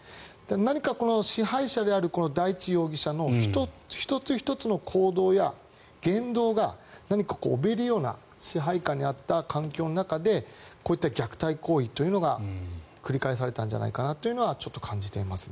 何か、支配者である大地容疑者の１つ１つの行動や言動が何かおびえるような支配下にある環境の中でこういった虐待行為というのが繰り返されたんじゃないかなというのはちょっと感じていますね。